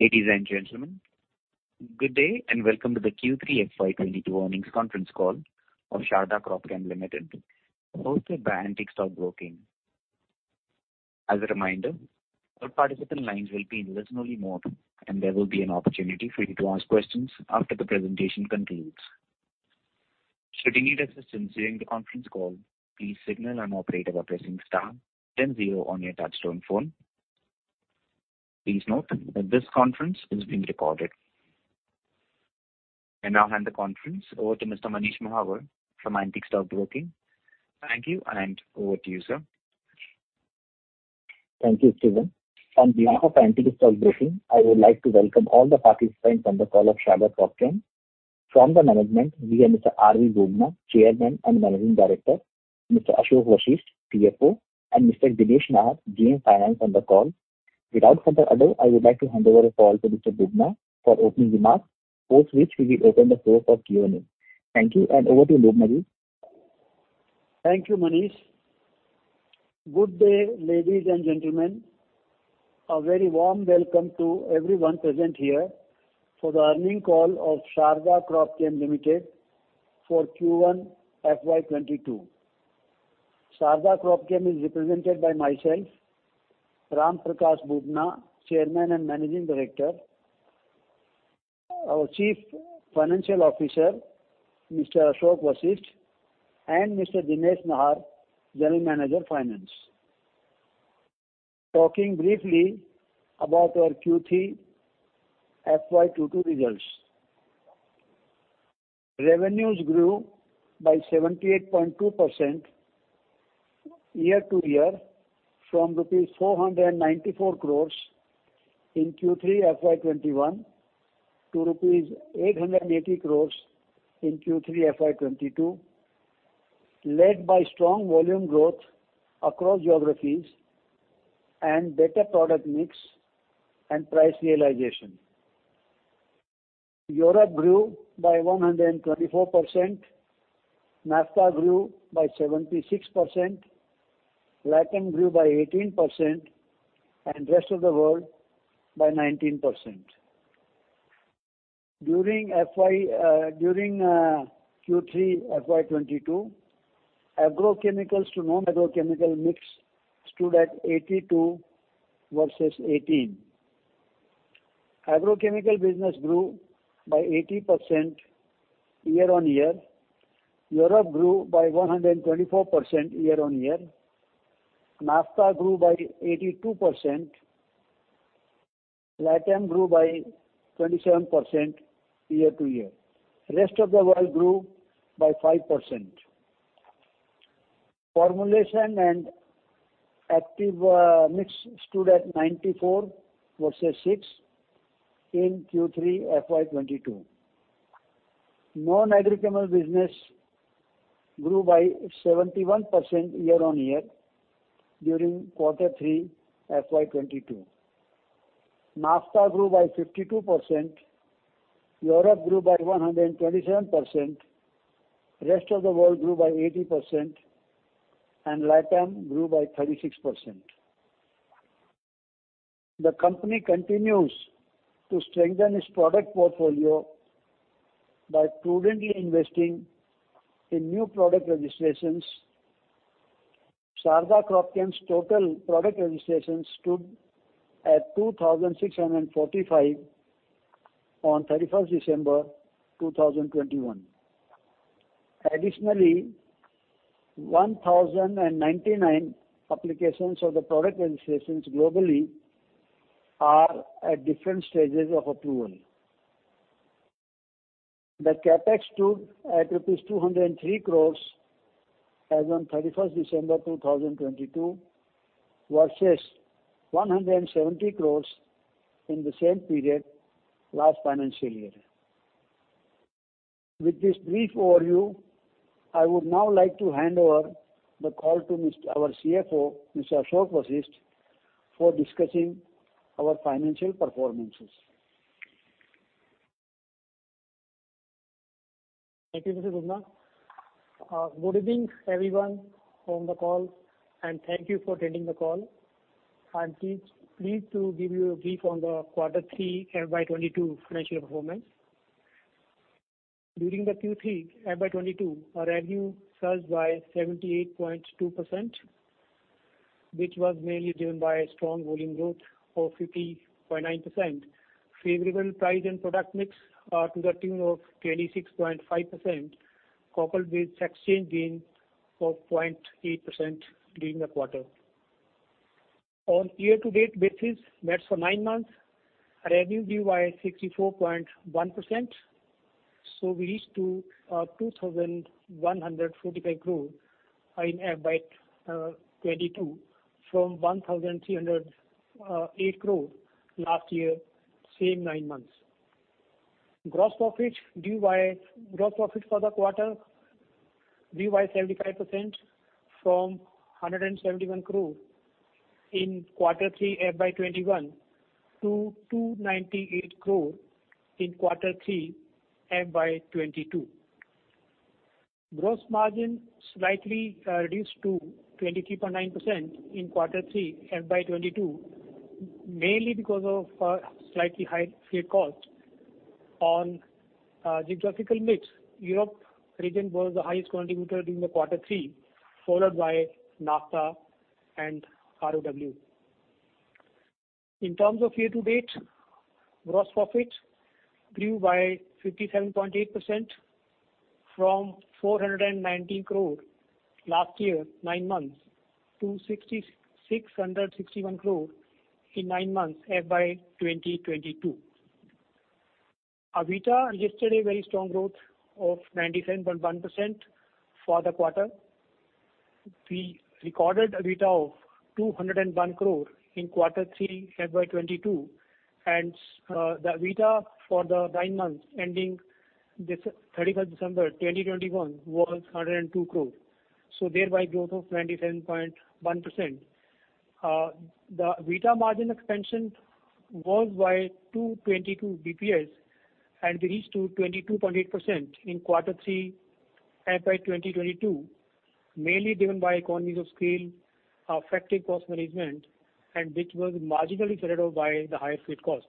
Ladies and gentlemen, good day, and welcome to the Q3 FY 2022 earnings conference call of Sharda Cropchem Limited hosted by Antique Stockbroking. As a reminder, all participant lines will be in listen only mode, and there will be an opportunity for you to ask questions after the presentation concludes. Should you need assistance during the conference call, please signal an operator by pressing star then zero on your touchtone phone. Please note that this conference is being recorded. I now hand the conference over to Mr. Manish Mahawar from Antique Stockbroking. Thank you, and over to you, sir. Thank you, Steven. On behalf of Antique Stockbroking, I would like to welcome all the participants on the call of Sharda Cropchem. From the management, we have Mr. RV Bubna, Chairman and Managing Director, Mr. Ashok Vashisht, CFO, and Mr. Dinesh Nahar, GM Finance on the call. Without further ado, I would like to hand over the call to Mr. Bubna for opening remarks, post which we will open the floor for Q&A. Thank you and over to you, Bubna. Thank you, Manish. Good day, ladies and gentlemen. A very warm welcome to everyone present here for the earnings call of Sharda Cropchem Limited for Q3 FY 2022. Sharda Cropchem is represented by myself, Ramprakash Bubna, Chairman and Managing Director, our Chief Financial Officer, Mr. Ashok Vashisht, and Mr. Dinesh Nahar, General Manager, Finance. Talking briefly about our Q3 FY 2022 results. Revenues grew by 78.2% year-over-year from rupees 494 crores in Q3 FY 2021 to rupees 880 crores in Q3 FY 2022, led by strong volume growth across geographies and better product mix and price realization. Europe grew by 124%, NAFTA grew by 76%, LATAM grew by 18%, and rest of the world by 19%. During Q3 FY 2022, agrochemicals to non-agrochemical mix stood at 82% versus 18%. Agrochemical business grew by 80% year-on-year. Europe grew by 124% year-on-year. NAFTA grew by 82%. LATAM grew by 27% year-on-year. Rest of the world grew by 5%. Formulation and active mix stood at 94% versus 6% in Q3 FY 2022. Non-agricultural business grew by 71% year-on-year during Q3 FY 2022. NAFTA grew by 52%, Europe grew by 127%, rest of the world grew by 80%, and LATAM grew by 36%. The company continues to strengthen its product portfolio by prudently investing in new product registrations. Sharda Cropchem's total product registrations stood at 2,645 on 31st December 2021. Additionally, 1,099 applications of the product registrations globally are at different stages of approval. The CapEx stood at rupees 203 crore as on 31st December 2022 versus 170 crore in the same period last financial year. With this brief overview, I would now like to hand over the call to our CFO, Mr. Ashok Vashisht, for discussing our financial performances. Thank you, Mr. Bubna. Good evening, everyone on the call, and thank you for attending the call. I'm pleased to give you a brief on the Q3 FY 2022 financial performance. During the Q3 FY 2022, our revenue surged by 78.2%, which was mainly driven by strong volume growth of 50.9%, favorable price and product mix contributing 26.5%, coupled with exchange gain of 0.8% during the quarter. On year-to-date basis, that's for nine months, revenue grew by 64.1%, so we reached 2,145 crore in FY 2022 from 1,308 crore last year, same nine months. Gross profit for the quarter grew by 75% from 171 crore in quarter three FY 2021 to 298 crore in quarter three FY 2022. Gross margin slightly reduced to 23.9% in quarter three FY 2022, mainly because of slightly high freight costs. On geographical mix, Europe region was the highest contributor during the quarter three, followed by NAFTA and RoW. In terms of year-to-date, gross profit grew by 57.8% from 490 crore last year, nine months, to 6,661 crore in nine months, FY 2022. EBITDA registered a very strong growth of 97.1% for the quarter. We recorded EBITDA of 201 crore in quarter three, FY 2022, and the EBITDA for the nine months ending 31st December 2021 was 102 crore, so thereby growth of 27.1%. The EBITDA margin expansion was by 222 BPS, and we reached to 22.8% in quarter three, FY 2022, mainly driven by economies of scale, effective cost management, and which was marginally traded off by the higher freight cost.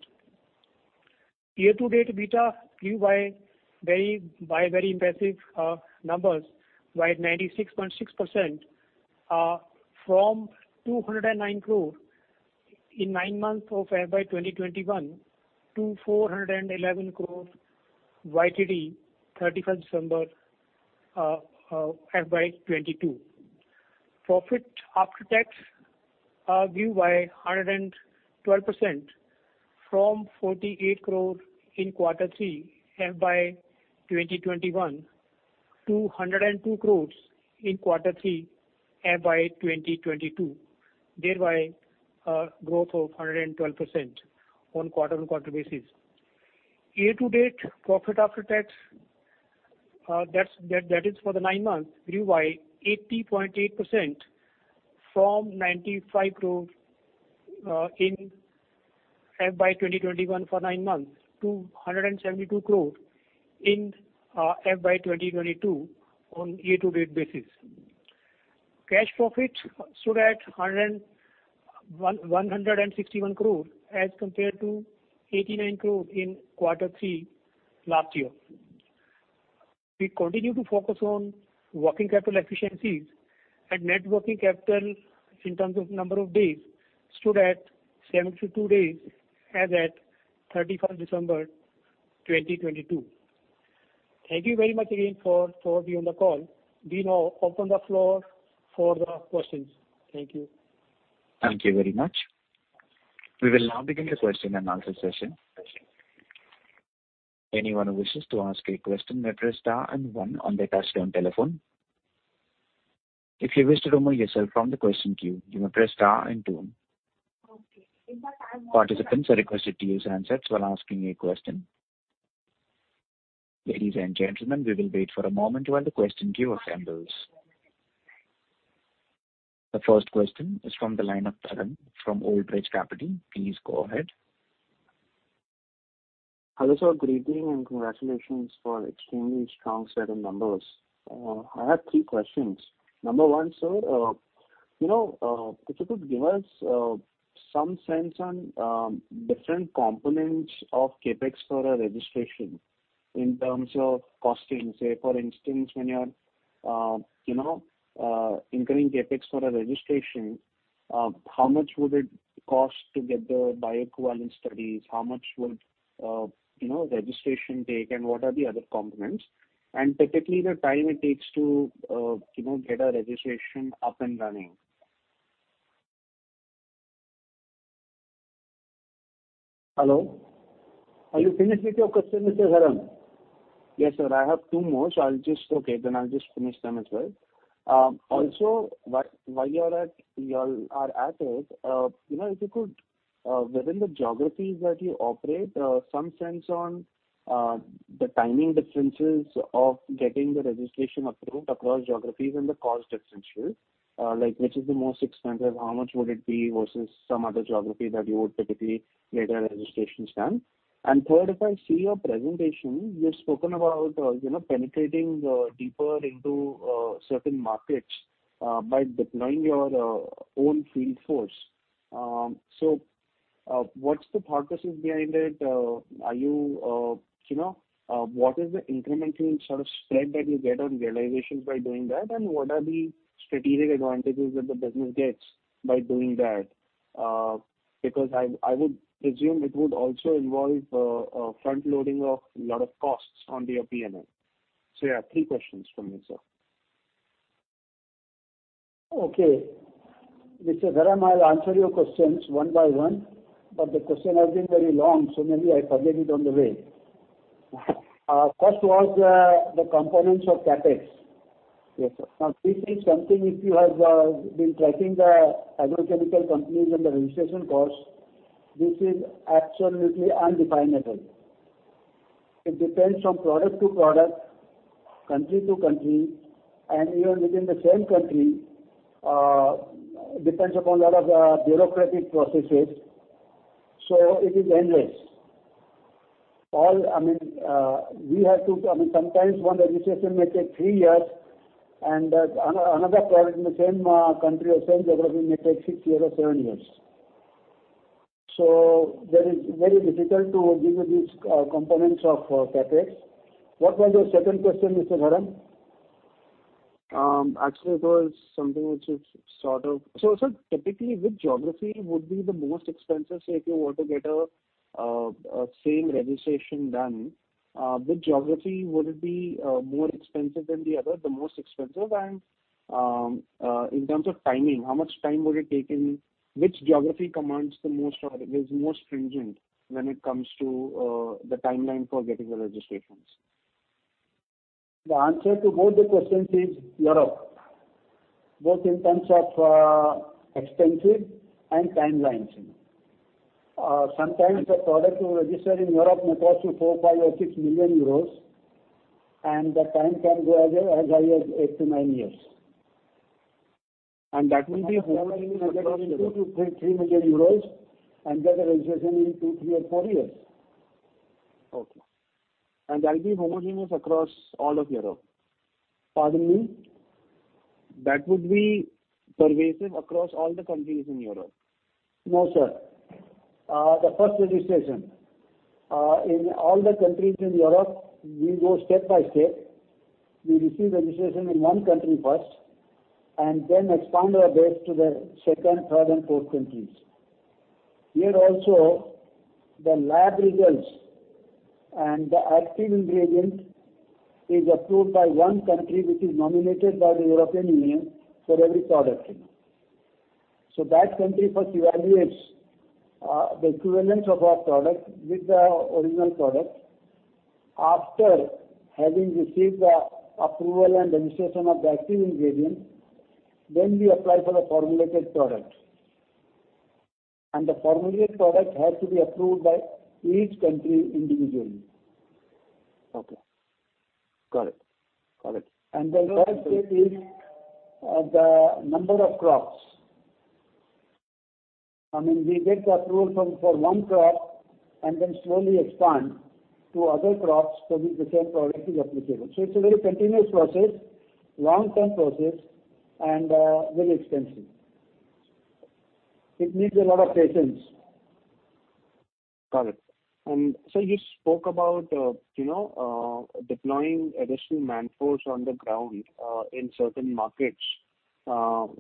Year-to-date EBITDA grew by very impressive numbers, by 96.6%, from 209 crore in nine months of FY 2021 to 411 crore YTD, 31st December, FY 2022. Profit after tax grew by 112% from 48 crore in Q3 FY 2021 to 102 crore in Q3 FY 2022. Thereby a growth of 112% on quarter-on-quarter basis. Year-to-date profit after tax, that's for the nine months, grew by 80.8% from 95 crore in FY 2021 for nine months to 172 crore in FY 2022 on year-to-date basis. Cash profit stood at 161 crore as compared to 89 crore in quarter three last year. We continue to focus on working capital efficiencies and net working capital in terms of number of days stood at 72 days as at 31st December 2022. Thank you very much again for being on the call. We now open the floor for the questions. Thank you. Thank you very much. We will now begin the question and answer session. Anyone who wishes to ask a question may press star and one on their touchtone telephone. If you wish to remove yourself from the question queue, you may press star and two. Participants are requested to use handsets while asking a question. Ladies and gentlemen, we will wait for a moment while the question queue assembles. The first question is from the line of Tarang from Old Bridge Capital. Please go ahead. Hello, sir. Good evening, and congratulations for extremely strong set of numbers. I have three questions. Number one, sir, you know, if you could give us some sense on different components of CapEx for a registration in terms of costing. Say, for instance, when you are you know, incurring CapEx for a registration, how much would it cost to get the bioequivalence studies? How much would you know, registration take, and what are the other components? Typically, the time it takes to you know, get a registration up and running. Hello? Are you finished with your question, Mr. Tarang? Yes, sir. I have two more, so I'll just. Okay. I'll just finish them as well. Also, while you're at it, you know, if you could, within the geographies that you operate, some sense on the timing differences of getting the registration approved across geographies and the cost differential. Like which is the most expensive? How much would it be versus some other geography that you would typically get a registration done? And third, if I see your presentation, you've spoken about, you know, penetrating deeper into certain markets by deploying your own field force. So, what's the thought process behind it? Or, you know, what is the incremental sort of spread that you get on realization by doing that? And what are the strategic advantages that the business gets by doing that? Because I would presume it would also involve front loading of lot of costs on your P&L. Yeah, three questions from me, sir. Okay. Mr. Tarang, I'll answer your questions one by one, but the question has been very long, so maybe I forget it on the way. First was, the components of CapEx. Yes, sir. Now, this is something if you have been tracking the agrochemical companies and the registration costs, this is absolutely undefinable. It depends from product to product, country to country, and even within the same country, depends upon lot of bureaucratic processes, so it is endless. I mean, sometimes one registration may take three years and another product in the same country or same geography may take six years or seven years. That is very difficult to give you these components of CapEx. What was your second question, Mr. Tarang? Actually, it was something which is sort of. Sir, typically which geography would be the most expensive, say, if you were to get same registration done, which geography would it be more expensive than the other, the most expensive? In terms of timing, how much time would it take in? Which geography commands the most or is most stringent when it comes to the timeline for getting the registrations? The answer to both the questions is Europe, both in terms of expense and timelines. Sometimes the product you register in Europe may cost you 4 million, 5 million, or 6 million euros, and the time can go as high as eight to nine years. That will be How many million euros? EUR 2 million-EUR 3 million, and get the registration in two, three or four years. Okay. That'll be homogeneous across all of Europe? Pardon me. That would be pervasive across all the countries in Europe? No, sir. The first registration. In all the countries in Europe, we go step by step. We receive registration in one country first and then expand our base to the second, third and fourth countries. Here also, the lab results and the active ingredient is approved by one country, which is nominated by the European Union for every product. So that country first evaluates the equivalence of our product with the original product. After having received the approval and registration of the active ingredient, then we apply for the formulated product. The formulated product has to be approved by each country individually. Okay. Got it. The third step is the number of crops. I mean, we get the approval for one crop and then slowly expand to other crops for which the same product is applicable. It's a very continuous process, long-term process, and very expensive. It needs a lot of patience. Got it. Sir, you spoke about, you know, deploying additional workforce on the ground in certain markets,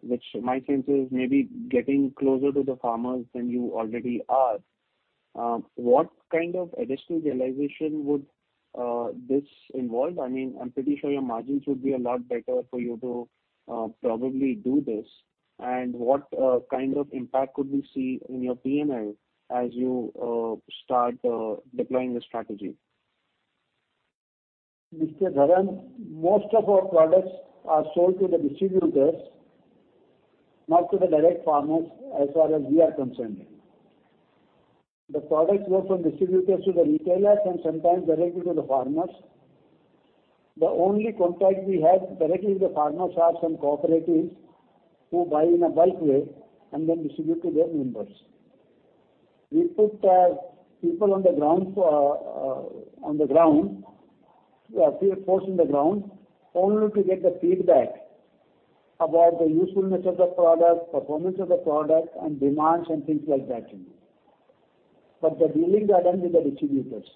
which my sense is maybe getting closer to the farmers than you already are. What kind of additional realization would this involve? I mean, I'm pretty sure your margins would be a lot better for you to probably do this. What kind of impact could we see in your P&L as you start deploying the strategy? Mr. Tarang, most of our products are sold to the distributors, not to the direct farmers as far as we are concerned. The products go from distributors to the retailers and sometimes directly to the farmers. The only contact we have directly with the farmers are some cooperatives who buy in a bulk way and then distribute to their members. We put people on the ground, field force on the ground only to get the feedback about the usefulness of the product, performance of the product and demands and things like that. The dealing are done with the distributors.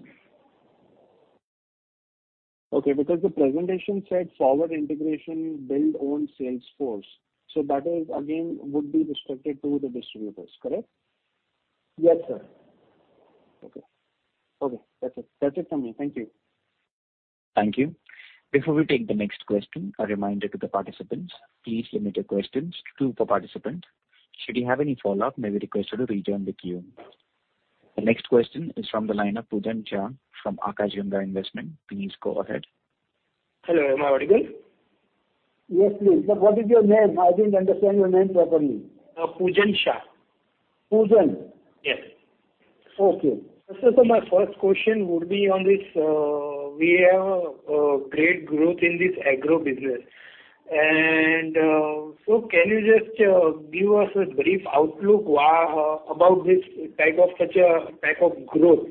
Okay. Because the presentation said forward integration build own sales force, that is again would be restricted to the distributors, correct? Yes, sir. Okay. That's it from me. Thank you. Thank you. Before we take the next question, a reminder to the participants, please limit your questions to two per participant. Should you have any follow-up, may we request you to rejoin the queue. The next question is from the line of Pujan Shah from Akash Ganga Investments. Please go ahead. Hello. Am I audible? Yes, please. What is your name? I didn't understand your name properly. Pujan Shah. Pujan? Yes. Okay. Sir, my first question would be on this, we have great growth in this agro business. can you just give us a brief outlook why about this type of such a type of growth?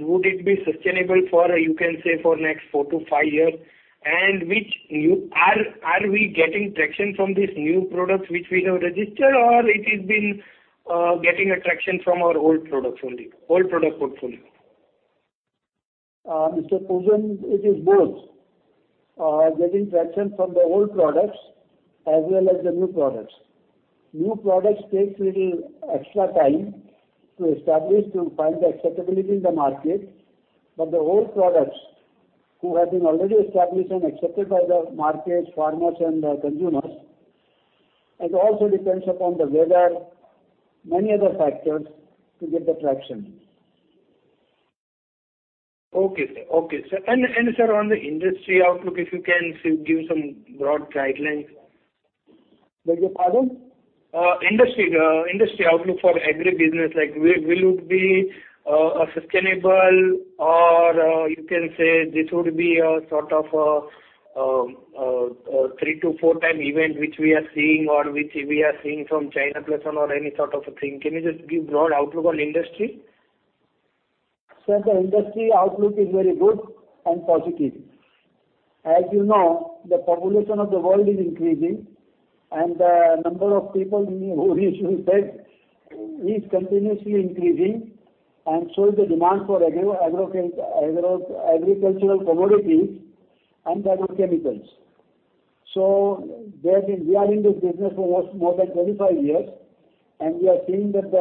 would it be sustainable for, you can say, for next four to five years? are we getting traction from these new products which we have registered or it is been getting traction from our old products only, old product portfolio? Mr. Pujan, it is both. Getting traction from the old products as well as the new products. New products takes little extra time to establish, to find the acceptability in the market. The old products who have been already established and accepted by the market, farmers and the consumers. It also depends upon the weather, many other factors to get the traction. Okay, sir. Sir, on the industry outlook, if you can give some broad guidelines. Beg your pardon? Industry outlook for agro business, like, will it be sustainable or you can say this would be a sort of three to four times event which we are seeing from China plus one or any sort of a thing? Can you just give broad outlook on industry? Sir, the industry outlook is very good and positive. As you know, the population of the world is increasing and the number of people who need food is continuously increasing, and so is the demand for agricultural commodities and agrochemicals. We are in this business for almost more than 25 years, and we are seeing that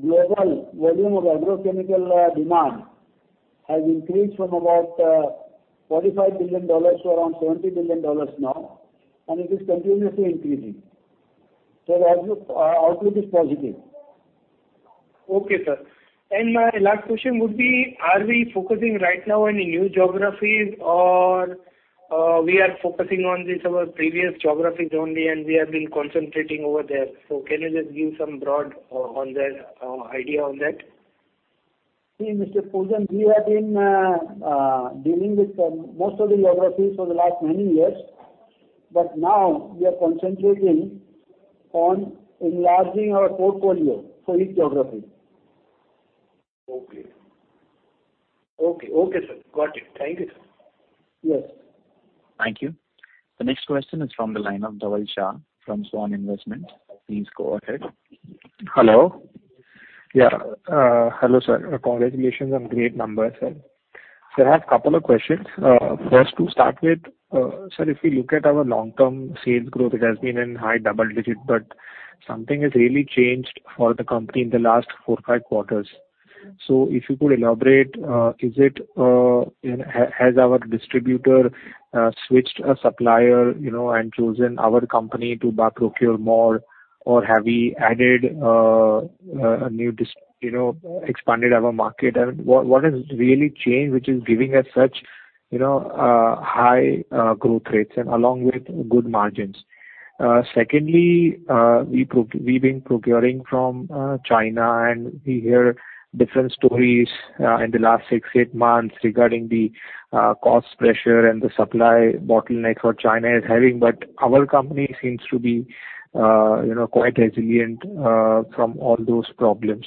the global volume of agrochemical demand has increased from about $45 billion to around $70 billion now, and it is continuously increasing. The outlook is positive. Okay, sir. My last question would be, are we focusing right now on new geographies or we are focusing on this, our previous geographies only, and we have been concentrating over there. Can you just give some broad idea on that? See, Mr. Pujan, we have been dealing with most of the geographies for the last many years, but now we are concentrating on enlarging our portfolio for each geography. Okay, sir. Got it. Thank you, sir. Yes. Thank you. The next question is from the line of Dhaval Shah from Svan Investments. Please go ahead. Hello. Hello, sir. Congratulations on great numbers, sir. Sir, I have a couple of questions. First to start with, sir, if you look at our long-term sales growth, it has been in high double digit, but something has really changed for the company in the last four, five quarters. If you could elaborate, is it, you know, has our distributor switched a supplier, you know, and chosen our company to buy, procure more? Or have we added, you know, expanded our market? What has really changed, which is giving us such, you know, high growth rates and along with good margins? Secondly, we've been procuring from China, and we hear different stories in the last 6-8 months regarding the cost pressure and the supply bottleneck what China is having. Our company seems to be, you know, quite resilient from all those problems.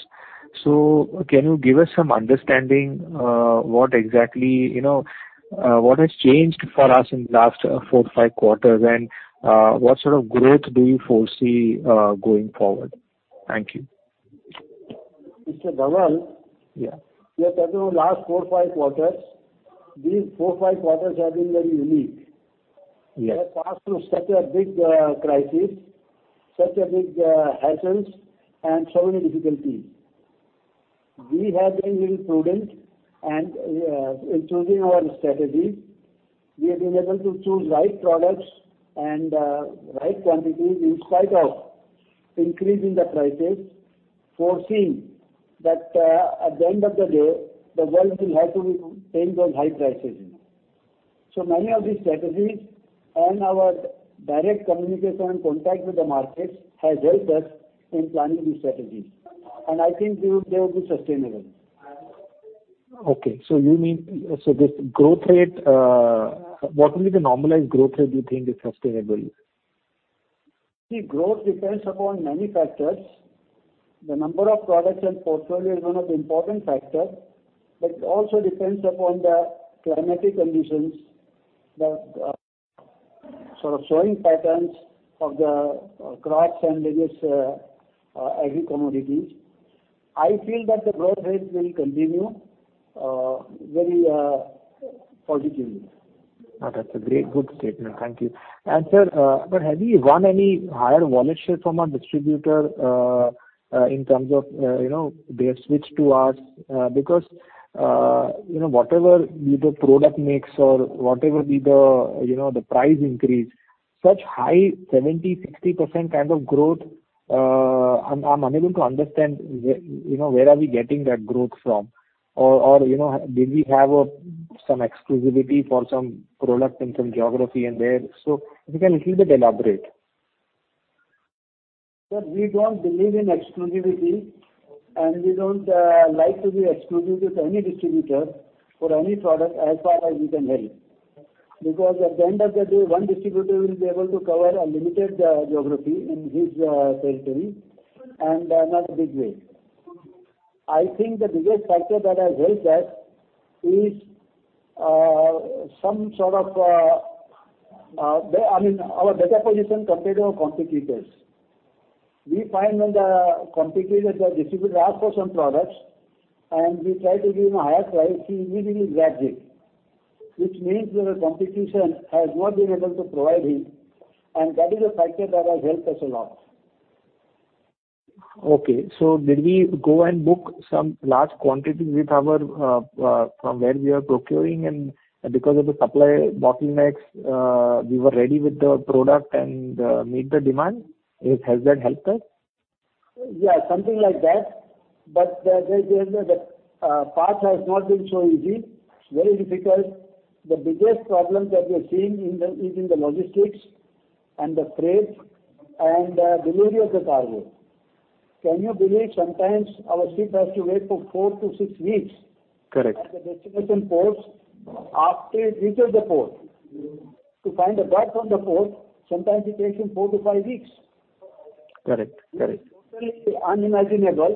Can you give us some understanding what exactly, you know, what has changed for us in the last four, five quarters? And what sort of growth do you foresee going forward? Thank you. Mr. Dhaval. Yeah. You are talking of last four, five quarters. These four, five quarters have been very unique. Yes. We have passed through such a big crisis, such a big hassles and so many difficulties. We have been really prudent and in choosing our strategy. We have been able to choose right products and right quantities in spite of increase in the prices, foreseeing that at the end of the day, the world will have to be paying those high prices, you know. So many of these strategies and our direct communication and contact with the markets has helped us in planning these strategies. I think they will be sustainable. This growth rate, what will be the normalized growth rate you think is sustainable? See, growth depends upon many factors. The number of products and portfolio is one of the important factor, but it also depends upon the climatic conditions, the sort of sowing patterns of the crops and various agri commodities. I feel that the growth rate will continue very positively. Oh, that's a great, good statement. Thank you. Sir, but have you won any higher volume share from a distributor, in terms of, you know, they have switched to us? Because, you know, whatever be the product mix or whatever be the, you know, the price increase, such high 70%, 60% kind of growth, I'm unable to understand where, you know, where are we getting that growth from? Or, you know, did we have a, some exclusivity for some product in some geography in there? If you can little bit elaborate. Sir, we don't believe in exclusivity, and we don't like to be exclusive to any distributor for any product as far as we can help. Because at the end of the day, one distributor will be able to cover a limited geography in his territory, and not a big way. I think the biggest factor that has helped us is some sort of, I mean, our better position compared to our competitors. We find when the competitors or distributors ask for some products and we try to give him a higher price, he immediately grabs it, which means that the competition has not been able to provide him, and that is a factor that has helped us a lot. Okay. Did we go and book some large quantities with our, from where we are procuring, and because of the supply bottlenecks, we were ready with the product and, meet the demand? Has that helped us? Yeah, something like that. The path has not been so easy. It's very difficult. The biggest problem that we are seeing is in the logistics and the freight and delivery of the cargo. Can you believe sometimes our ship has to wait four to six weeks? Correct. At the destination ports after it reaches the port? To find a berth on the port, sometimes it takes him four to five weeks. Correct. Correct. This is totally unimaginable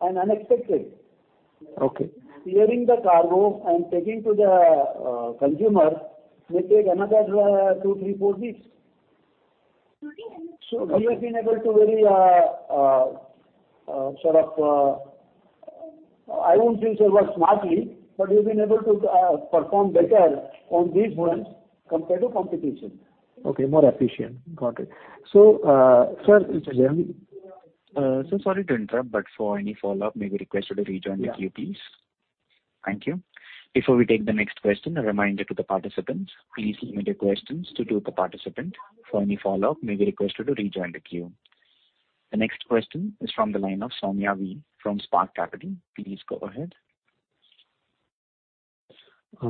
and unexpected. Okay. Clearing the cargo and taking to the consumer may take another two, three, four weeks. We have been able to very, sort of, I won't say, sir, work smartly, but we've been able to perform better on these fronts compared to competition. Okay. More efficient. Got it. sir- Sir, sorry to interrupt, but for any follow-up may we request you to rejoin the queue, please. Yeah. Thank you. Before we take the next question, a reminder to the participants, please limit your questions to two per participant. For any follow-up, may we request you to rejoin the queue. The next question is from the line of Saumya V from Spark Capital. Please go ahead.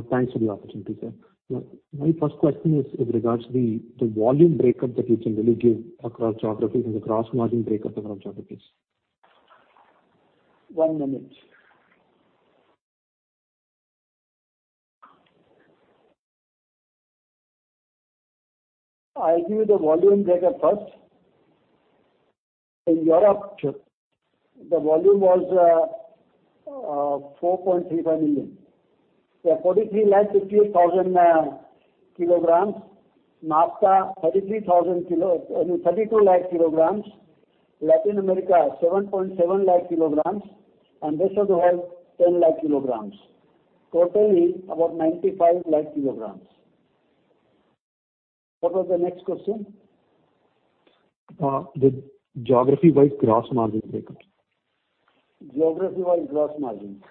Thanks for the opportunity, sir. My first question is with regards to the volume breakup that you can really give across geographies and the gross margin breakup across geographies. One moment. I'll give you the volume breakup first. In Europe, the volume was 4.35 million kg. Yeah, 43 lakh 58,000 kg. NAFTA, 32 lakh kg. Latin America, 7.7 lakh kg. Rest of the world, 10 lakh kg. Totally about 95 lakh kg. What was the next question? The geography-wise gross margin breakup. Geography-wise gross margin.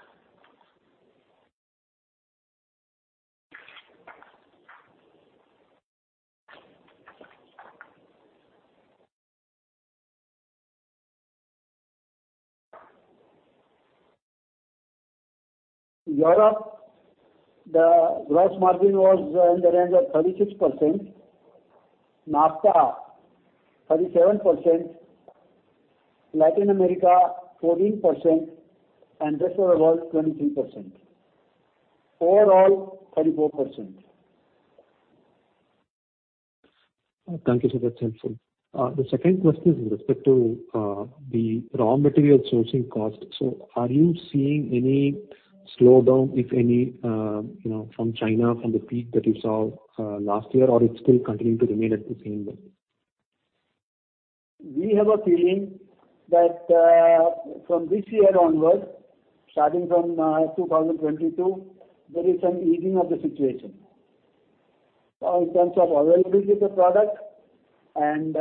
Europe, the gross margin was in the range of 36%. NAFTA, 37%. Latin America, 14%. Rest of the world, 23%. Overall, 34%. Thank you, sir. That's helpful. The second question is with respect to the raw material sourcing cost. Are you seeing any slowdown, if any, you know, from China, from the peak that you saw last year, or it's still continuing to remain at the same level? We have a feeling that, from this year onwards, starting from 2022, there is an easing of the situation, in terms of availability of the product and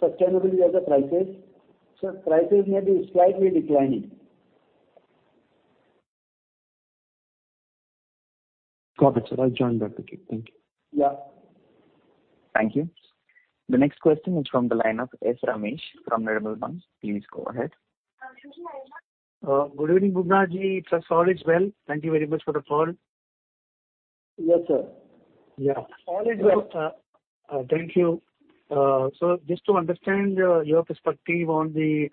sustainability of the prices. Prices may be slightly declining. Got it, sir. I'll join back the queue. Thank you. Yeah. Thank you. The next question is from the line of S. Ramesh from Nirmal Bang. Please go ahead. Good evening, Bubna-ji. Sir, all is well. Thank you very much for the call. Yes, sir. Yeah. All is well. Thank you. Just to understand your perspective on the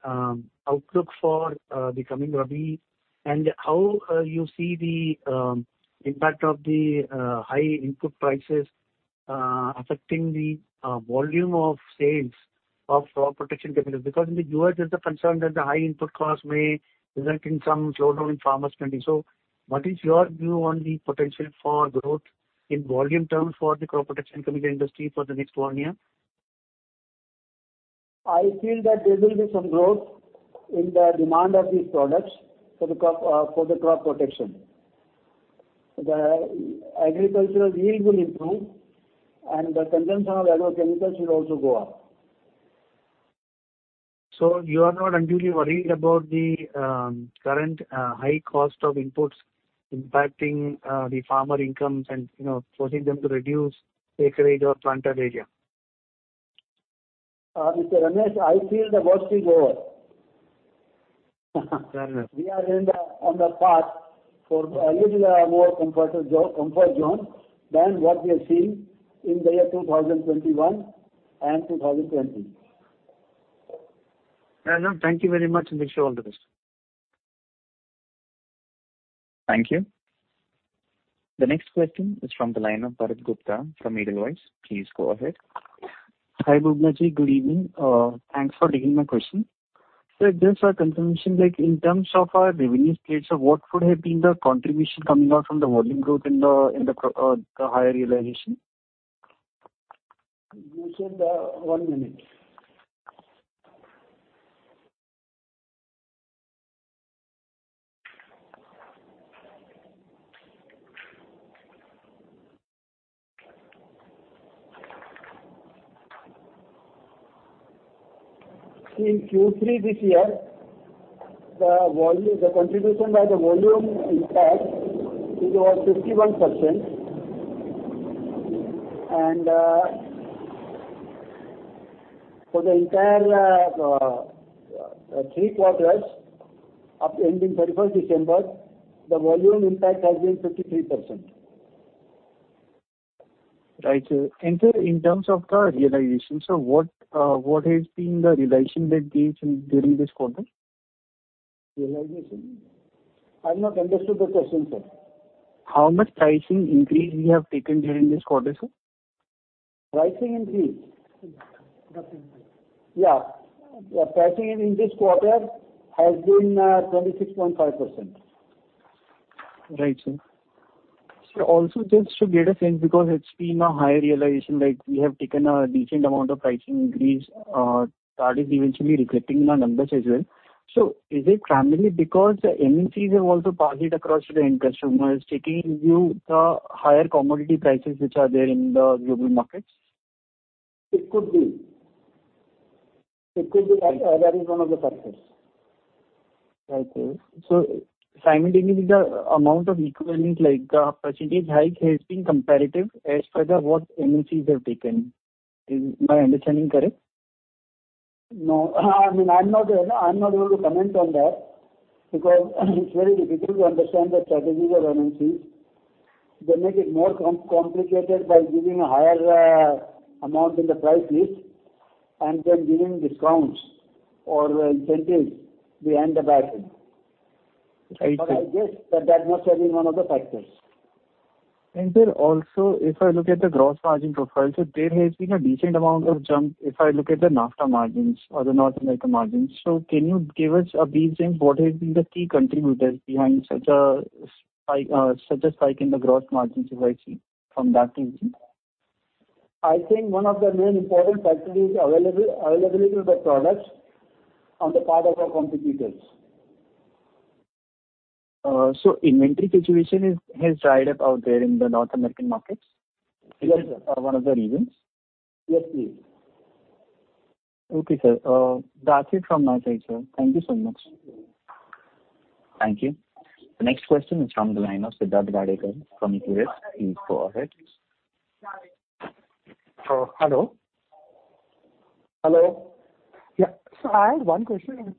outlook for the coming rabi and how you see the impact of the high input prices affecting the volume of sales of crop protection chemicals. Because in the U.S. there's a concern that the high input costs may result in some slowdown in farmer spending. What is your view on the potential for growth in volume terms for the crop protection chemical industry for the next one year? I feel that there will be some growth in the demand of these products for the crop, for the crop protection. The agricultural yield will improve and the consumption of agrochemicals will also go up. You are not unduly worried about the current high cost of inputs impacting the farmer income and, you know, forcing them to reduce acreage or planted area? Mr. Ramesh, I feel the worst is over. Fair enough. We are on the path for a little bit more comfort, so comfort zone than what we have seen in the year 2021 and 2020. Fair enough. Thank you very much. Wish you all the best. Thank you. The next question is from the line of Bharat Gupta from Edelweiss. Please go ahead. Hi, Bubna-ji. Good evening. Thanks for taking my question. Just for confirmation, like in terms of our revenue splits, so what would have been the contribution coming out from the volume growth in the higher realization? In Q3 this year, the volume, the contribution by the volume impact is over 51%. For the entire three quarters ending 31st December, the volume impact has been 53%. Right, sir. Sir, in terms of the realization, so what has been the realization that gave during this quarter? realization. I've not understood the question, sir. How much pricing increase you have taken during this quarter, sir? Pricing increase? Mm-hmm. Yeah. Yeah, pricing in this quarter has been 26.5%. Right, sir. Also just to get a sense, because it's been a high realization, like we have taken a decent amount of pricing increase, that is eventually reflecting in our numbers as well. Is it primarily because MNCs have also passed it across to the end customers, taking into account the higher commodity prices which are there in the global markets? It could be. It could be like, that is one of the factors. Right, sir. Simultaneously the amount of equivalent, like the percentage hike has been comparative as per what MNCs have taken. Is my understanding correct? No. I mean, I'm not able to comment on that because it's very difficult to understand the strategies of MNCs. They make it more complicated by giving a higher amount in the price list and then giving discounts or incentives behind the back end. Right, sir. I guess that must have been one of the factors. Sir, also, if I look at the gross margin profile, so there has been a decent amount of jump if I look at the NAFTA margins or the North America margins. Can you give us a brief on what has been the key contributors behind such a spike in the gross margins if I see from that region? I think one of the main important factor is availability of the products on the part of our competitors. Inventory situation is, has dried up out there in the North American markets? Yes, sir. Is that one of the reasons? Yes, it is. Okay, sir. That's it from my side, sir. Thank you so much. Thank you. Thank you. The next question is from the line of Siddharth Gadekar from Equirus. Please go ahead. Hello. Hello. I have one question.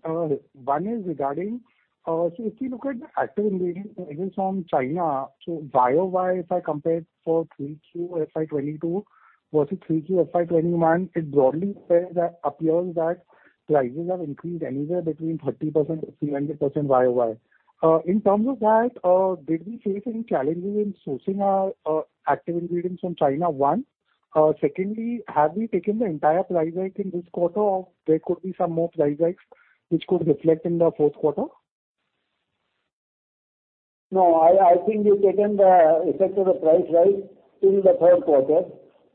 One is regarding, if you look at the active ingredient even from China, YoY, if I compare for Q3 FY 2022 versus Q3 FY 2021, it broadly appears that prices have increased anywhere between 30%-300% YoY. In terms of that, did we face any challenges in sourcing our active ingredients from China? One. Secondly, have we taken the entire price hike in this quarter, or there could be some more price hikes which could reflect in the fourth quarter? No, I think we've taken the effect of the price rise in the third quarter.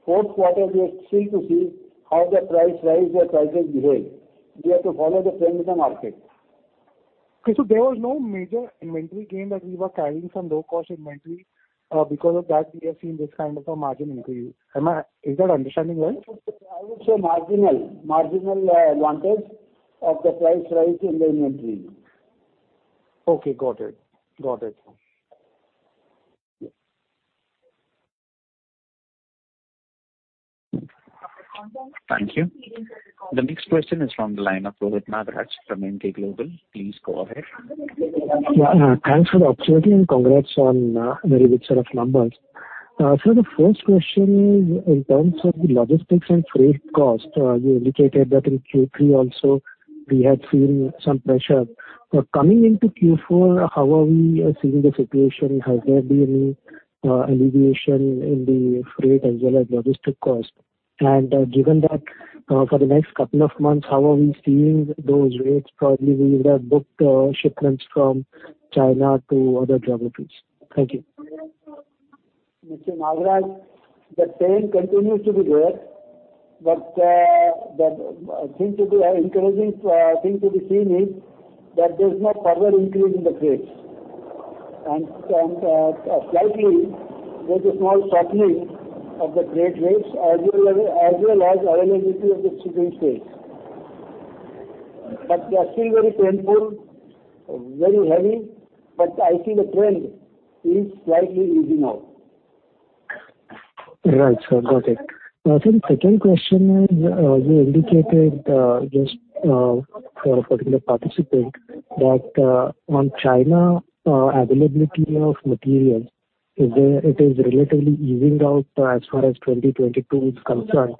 Fourth quarter, we have still to see how the price rise or prices behave. We have to follow the trends in the market. Okay. There was no major inventory gain that we were carrying some low cost inventory, because of that we have seen this kind of a margin increase. Is that understanding right? I would say marginal advantage of the price rise in the inventory. Okay, got it. Got it. Yes. Thank you. The next question is from the line of Rohit Nagaraj from Emkay Global. Please go ahead. Yeah. Thanks for the opportunity and congrats on very good set of numbers. The first question is in terms of the logistics and freight cost, you indicated that in Q3 also we had seen some pressure. Coming into Q4, how are we seeing the situation? Has there been any alleviation in the freight as well as logistic cost? Given that, for the next couple of months, how are we seeing those rates? Probably we would have booked shipments from China to other geographies. Thank you. Mr. Nagaraj, the trend continues to be there, but the encouraging thing to be seen is that there's no further increase in the freight. Slightly there's a small softening of the freight rates as well as availability of the shipping space. They are still very painful, very heavy, but I see the trend is slightly easing out. Right, sir. Got it. Sir, the second question is, you indicated just for a particular participant that on China availability of materials is it is relatively easing out as far as 2022 is concerned.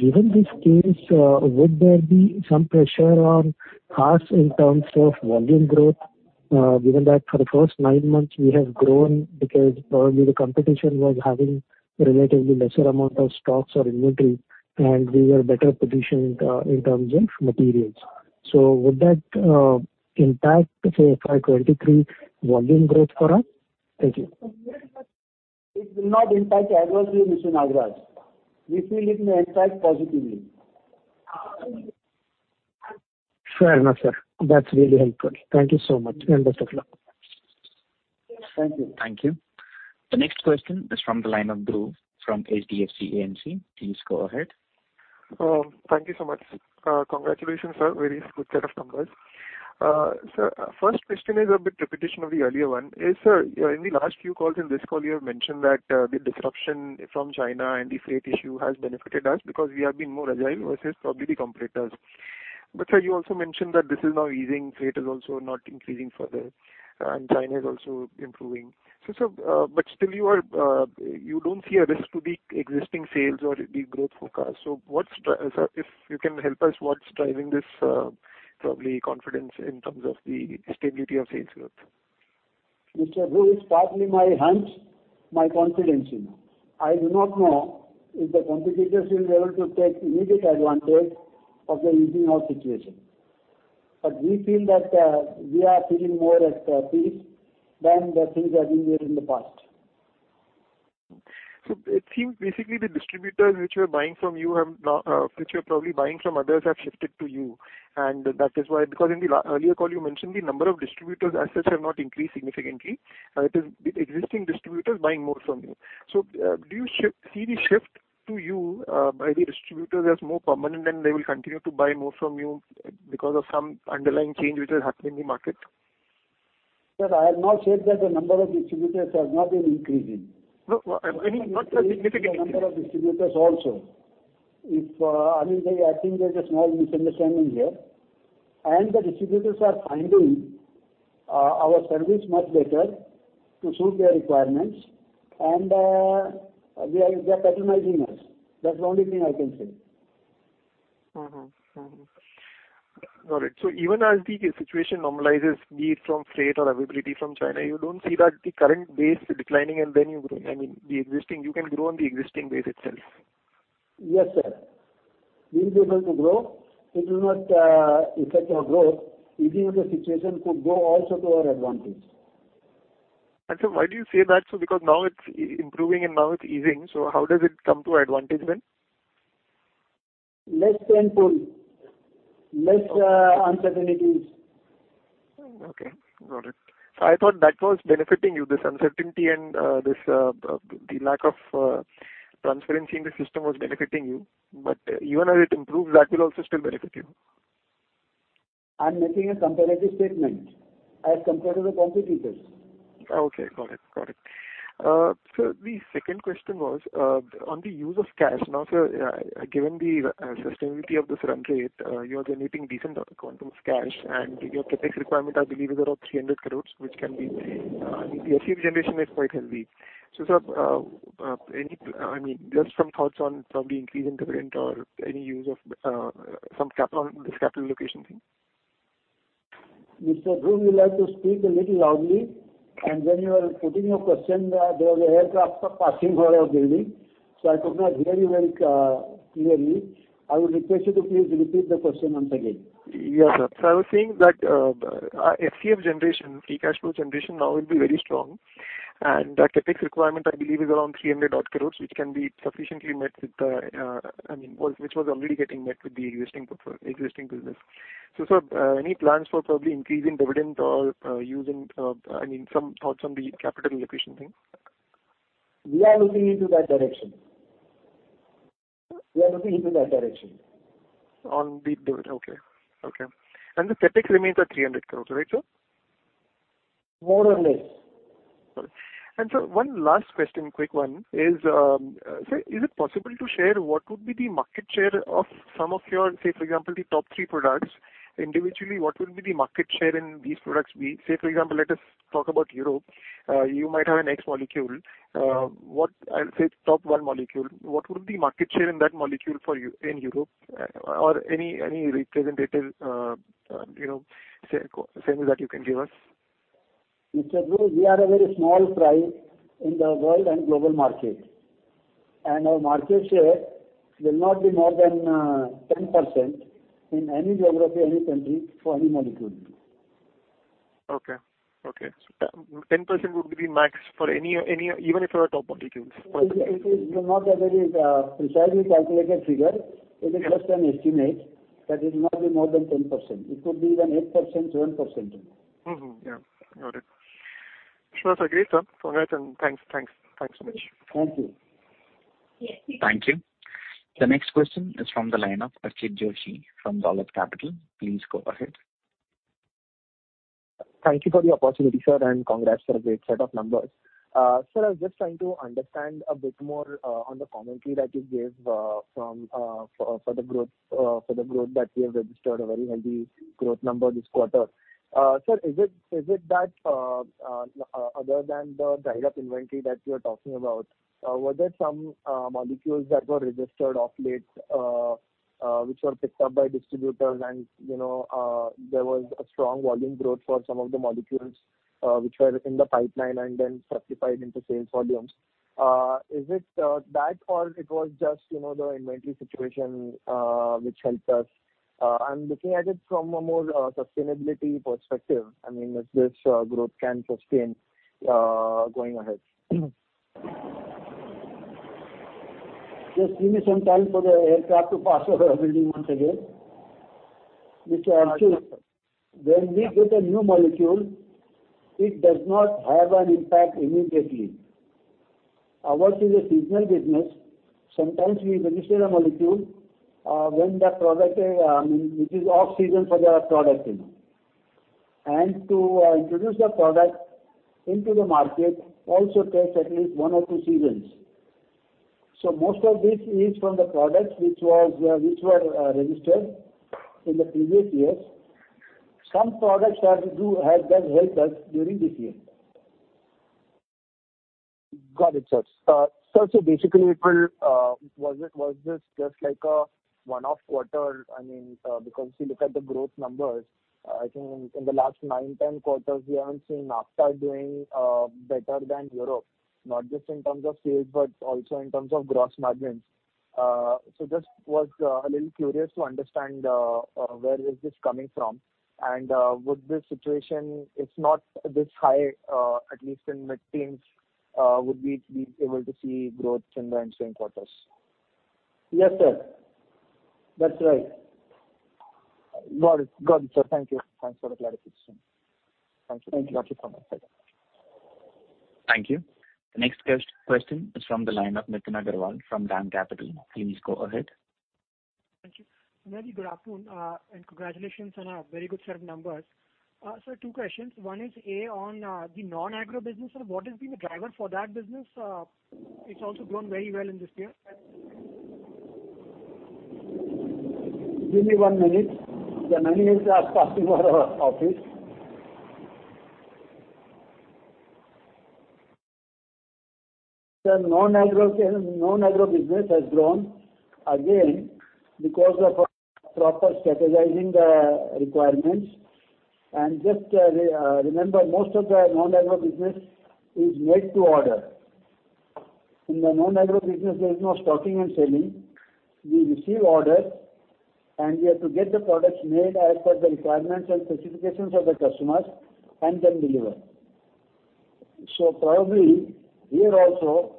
Given this case, would there be some pressure on us in terms of volume growth? Given that for the first nine months we have grown because probably the competition was having a relatively lesser amount of stocks or inventory, and we were better positioned in terms of materials. Would that impact say FY 2023 volume growth for us? Thank you. It will not impact adversely, Mr. Nagaraj. We feel it may impact positively. Fair enough, sir. That's really helpful. Thank you so much, and best of luck. Thank you. Thank you. The next question is from the line of Dhruv from HDFC AMC. Please go ahead. Thank you so much. Congratulations, sir. Very good set of numbers. First question is a bit repetition of the earlier one. Sir, in the last few calls and this call you have mentioned that the disruption from China and the freight issue has benefited us because we have been more agile versus probably the competitors. Sir, you also mentioned that this is now easing, freight is also not increasing further, and China is improving. Sir, still you don't see a risk to the existing sales or the growth forecast. What's driving this, sir, if you can help us, probably confidence in terms of the stability of sales growth? Mr. Dhruv, it's partly my hunch, my confidence in you. I do not know if the competitors will be able to take immediate advantage of the easing of situation. We feel that we are feeling more at peace than the things have been there in the past. It seems basically the distributors which were buying from you have now, which were probably buying from others have shifted to you, and that is why because in the earlier call you mentioned the number of distributors as such have not increased significantly. It is the existing distributors buying more from you. Do you see the shift to you by the distributors as more permanent and they will continue to buy more from you because of some underlying change which has happened in the market? Sir, I have not said that the number of distributors has not been increasing. No, I mean, not significantly. The number of distributors also. If, I mean, I think there's a small misunderstanding here. The distributors are finding our service much better to suit their requirements and they are patronizing us. That's the only thing I can say. All right. Even as the situation normalizes, be it from freight or availability from China, you don't see that the current base declining and then you grow. I mean, you can grow on the existing base itself. Yes, sir. We will be able to grow. It will not affect our growth. Easing of the situation could go also to our advantage. Sir, why do you say that? Because now it's improving and now it's easing, so how does it come to our advantage then? Less painful. Less, uncertainties. Okay. Got it. I thought that was benefiting you, this uncertainty and, this, the lack of, transparency in the system was benefiting you. Even as it improves, that will also still benefit you. I'm making a comparative statement as compared to the competitors. Okay. Got it. Sir, the second question was on the use of cash. Now, sir, given the sustainability of this run rate, you are generating decent quantities of cash and your CapEx requirement I believe is around 300 crores, which can be, I mean, the FCF generation is quite healthy. Sir, any, I mean, just some thoughts on probably increasing dividend or any use of some capital, this capital allocation thing. Mr. Dhruv, you'll have to speak a little loudly. When you are putting your question, there was an aircraft passing over our building, so I could not hear you very clearly. I would request you to please repeat the question once again. Yes, sir. I was saying that FCF generation, free cash flow generation now will be very strong. The CapEx requirement I believe is around 300 crores, which can be sufficiently met with the, which was already getting met with the existing business. Sir, any plans for probably increasing dividend or using, some thoughts on the capital allocation thing? We are looking into that direction. Huh? We are looking into that direction. On the dividend, okay. The CapEx remains at 300 crores, right, sir? More or less. Got it. Sir, one last question, quick one, is it possible to share what would be the market share of some of your, say, for example, the top three products. Individually, what would be the market share in these products be? Say, for example, let us talk about Europe. You might have an X molecule. I'll say top one molecule. What would be market share in that molecule for you in Europe? Or any representative, you know, say that you can give us. Mr. Dhruv, we are a very small fry in the world and global market, and our market share will not be more than 10% in any geography, any country for any molecule. Okay. 10% would be the max for any, even if you have top molecules. It is not a very precisely calculated figure. Yeah. It is just an estimate that it'll not be more than 10%. It could be even 8%, 7% also. Yeah. Got it. It was great, sir. Go ahead and thanks. Thanks so much. Thank you. Thank you. The next question is from the line of Archit Joshi from Dolat Capital. Please go ahead. Thank you for the opportunity, sir, and congrats for a great set of numbers. Sir, I was just trying to understand a bit more on the commentary that you gave for the growth that we have registered a very healthy growth number this quarter. Sir, is it that other than the dried up inventory that you are talking about, were there some molecules that were registered of late, which were picked up by distributors and, you know, there was a strong volume growth for some of the molecules, which were in the pipeline and then specified into sales volumes? Is it that or it was just, you know, the inventory situation which helped us? I'm looking at it from a more sustainability perspective. I mean, if this growth can sustain going ahead. Just give me some time for the aircraft to pass over our building once again. Mr. Archit, when we get a new molecule, it does not have an impact immediately. Ours is a seasonal business. Sometimes we register a molecule, when the product, I mean, it is off season for the product, you know. To introduce the product into the market also takes at least one or two seasons. Most of this is from the products which were registered in the previous years. Some products have done, helped us during this year. Got it, sir. Sir, so basically, was this just like a one-off quarter? I mean, because if you look at the growth numbers, I think in the last nine, ten quarters, we haven't seen NAFTA doing better than Europe, not just in terms of sales, but also in terms of gross margins. So I was just a little curious to understand where this is coming from. Would this situation, if not this high, at least in mid-teens%, would we be able to see growth in the ensuing quarters? Yes, sir. That's right. Got it, sir. Thank you. Thanks for the clarification. Thank you. Thank you. Thank you. The next question is from the line of Nitin Agarwal from DAM Capital. Please go ahead. Thank you. Nitin, good afternoon. Congratulations on a very good set of numbers. Sir, two questions. One is, A, on the non-agro business. What has been the driver for that business? It's also grown very well in this year. Give me one minute. There are many cars passing over our office. The non-agro business has grown again because of proper strategizing the requirements. Just remember, most of the non-agro business is made to order. In the non-agro business, there is no stocking and selling. We receive orders, and we have to get the products made as per the requirements and specifications of the customers, and then deliver. Probably, here also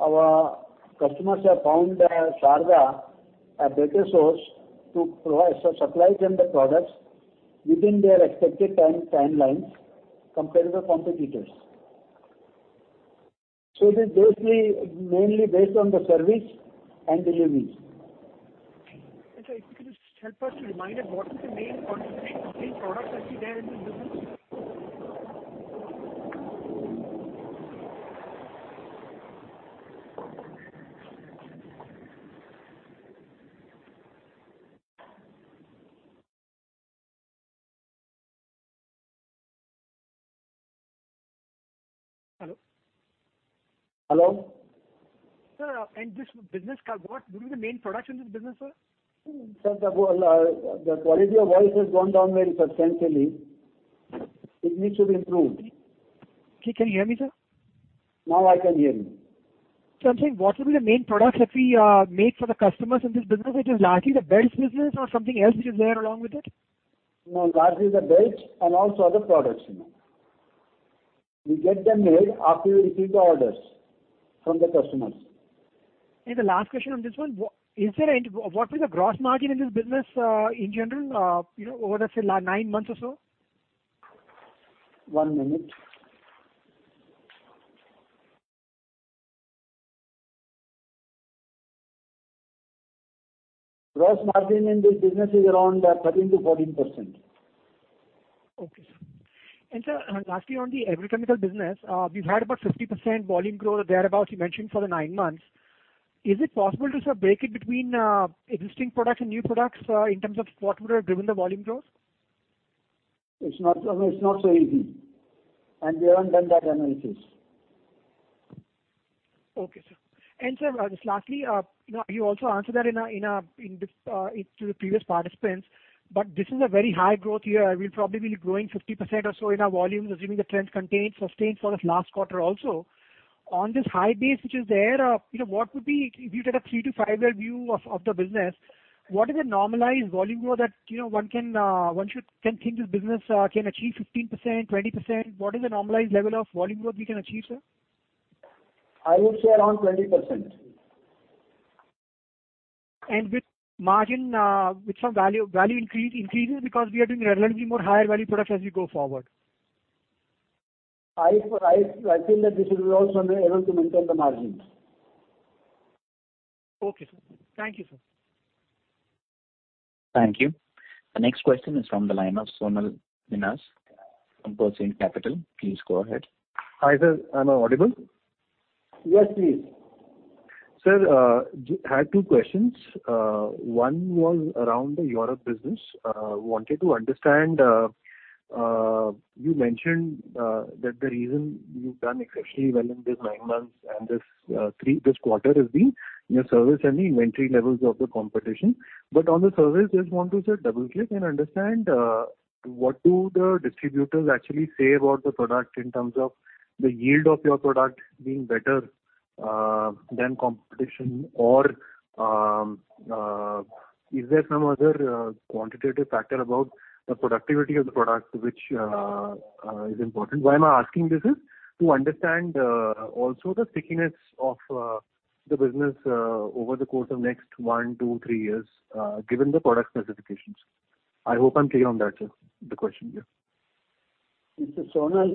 our customers have found Sharda a better source to provide, so supply them the products within their expected timelines compared to the competitors. It is basically mainly based on the service and deliveries. Sir, if you could just help us to remind us what is the main concentrate, main products actually there in this business? Hello? Hello. Sir, this business, what would be the main products in this business, sir? Sir, the quality of your voice has gone down very substantially. It needs to be improved. Can you hear me, sir? Now I can hear you. I'm saying what will be the main products actually, made for the customers in this business? It is largely the belts business or something else which is there along with it? No, largely the belts and also other products, you know. We get them made after we receive the orders from the customers. What is the gross margin in this business, in general, you know, over the last nine months or so? One minute. Gross margin in this business is around 13%-14%. Okay, sir. Sir, lastly, on the agrochemical business, we've heard about 50% volume growth or thereabouts, you mentioned for the nine months. Is it possible to, sir, break it between existing products and new products in terms of what would have driven the volume growth? It's not so easy. We haven't done that analysis. Okay, sir. Sir, just lastly, you know, you also answered that in answer to the previous participants, but this is a very high growth year. We'll probably be growing 50% or so in our volumes, assuming the trends continue, sustained for this last quarter also. On this high base, which is there, you know, what would be, if you take a three to five-year view of the business, what is the normalized volume growth that one can think this business can achieve 15%, 20%? What is the normalized level of volume growth we can achieve, sir? I would say around 20%. With margin, with some value increases, because we are doing relatively more higher value products as we go forward. I feel that this will be also able to maintain the margins. Okay, sir. Thank you, sir. Thank you. The next question is from the line of Sonal Minhas from Prescient Capital. Please go ahead. Hi there. Am I audible? Yes, please. Sir, I had two questions. One was around the Europe business. Wanted to understand, you mentioned that the reason you've done exceptionally well in this nine months and this three, this quarter has been your service and the inventory levels of the competition. On the service, just want to, sir, double-click and understand, what do the distributors actually say about the product in terms of the yield of your product being better than competition? Or is there some other quantitative factor about the productivity of the product which is important? Why I'm asking this is to understand also the stickiness of the business over the course of next one, two, three years given the product specifications. I hope I'm clear on that, sir, the question here. Mr. Sonal,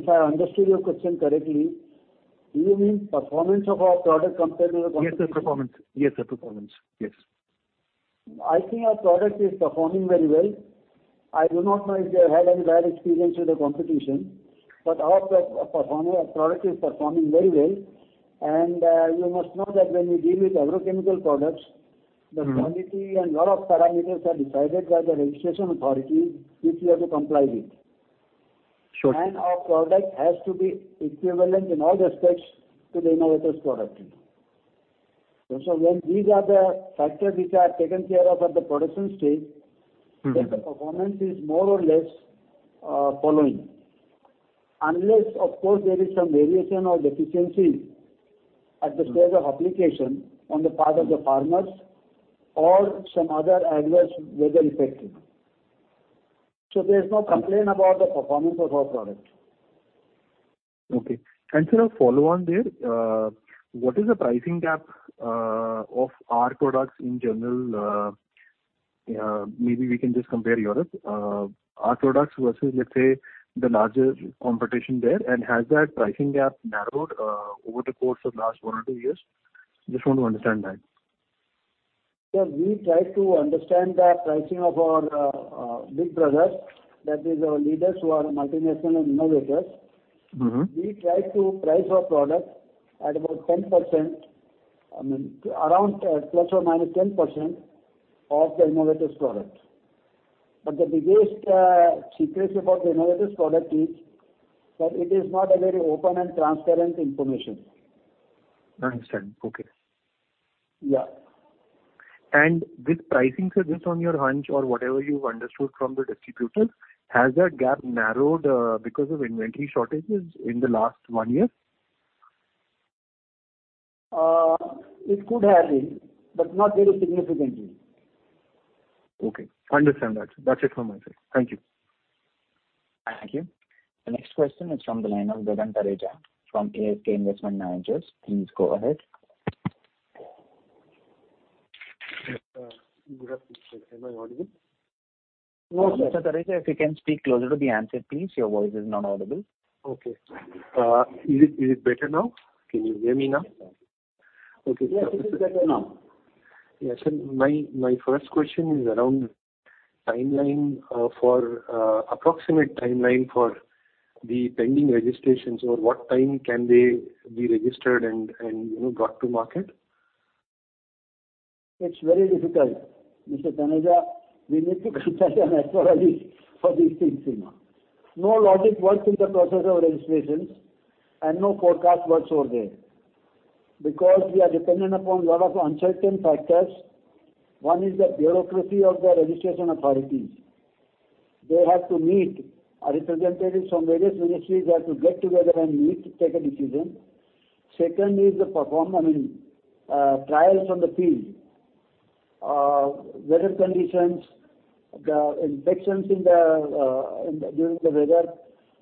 if I understood your question correctly, do you mean performance of our product compared to the competition? Yes, sir, performance. Yes. I think our product is performing very well. I do not know if they have had any bad experience with the competition, but our product is performing very well. You must know that when you deal with agrochemical products. The quality and lot of parameters are decided by the registration authority, which we have to comply with. Sure. Our product has to be equivalent in all respects to the innovator's product. When these are the factors which are taken care of at the production stage- Mm-hmm. Performance is more or less following. Unless, of course, there is some variation or deficiency at the stage of application on the part of the farmers or some other adverse weather effects. There's no complaint about the performance of our product. Okay. Sir, a follow-on there. What is the pricing gap of our products in general, maybe we can just compare Europe. Our products versus, let's say, the largest competition there, and has that pricing gap narrowed over the course of the last one or two years? Just want to understand that. Sir, we try to understand the pricing of our big brothers. That is our leaders who are multinational innovators. Mm-hmm. We try to price our product at about 10%, I mean, around, plus or minus 10% of the innovator's product. The biggest secrecy about the innovator's product is that it is not a very open and transparent information. I understand. Okay. Yeah. With pricing, sir, just on your hunch or whatever you've understood from the distributor, has that gap narrowed, because of inventory shortages in the last one year? It could have been, but not very significantly. Okay. Understand that. That's it from my side. Thank you. Thank you. The next question is from the line of Gagan Thareja from ASK Investment Managers. Please go ahead. Yes, sir. Good afternoon. Am I audible? Mr. Thareja, if you can speak closer to the handset, please. Your voice is not audible. Okay. Is it better now? Can you hear me now? Yes, it is better now. Yeah. My first question is approximate timeline for the pending registrations or what time can they be registered and you know, brought to market? It's very difficult, Mr. Thareja. We need to consult an astrologer for these things, you know. No logic works in the process of registrations and no forecast works over there. Because we are dependent upon a lot of uncertain factors. One is the bureaucracy of the registration authorities. They have to meet a representative from various ministries. They have to get together and meet to take a decision. Second is the trials on the field. Weather conditions, the infections during the weather.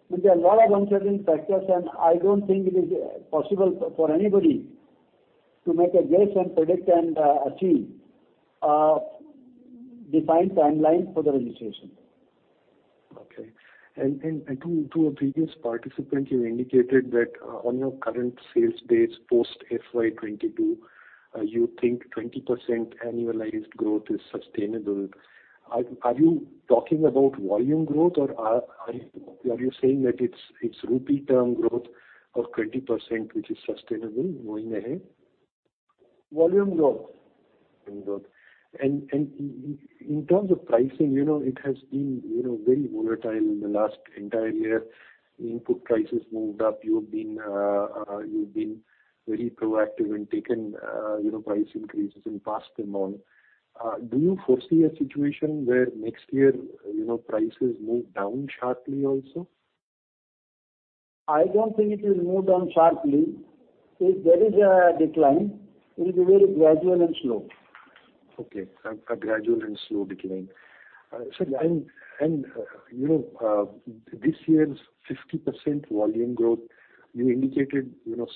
Which are a lot of uncertain factors, and I don't think it is possible for anybody to make a guess and predict and achieve defined timelines for the registration. Okay. To a previous participant, you indicated that, on your current sales base, post FY 2022, you think 20% annualized growth is sustainable. Are you talking about volume growth or are you saying that it's rupee term growth of 20% which is sustainable going ahead? Volume growth. Volume growth. In terms of pricing, you know, it has been, you know, very volatile in the last entire year. Input prices moved up. You've been very proactive and taken, you know, price increases and passed them on. Do you foresee a situation where next year, you know, prices move down sharply also? I don't think it will move down sharply. If there is a decline, it will be very gradual and slow. Okay. A gradual and slow decline. Sir, this year's 50% volume growth, you indicated, you know,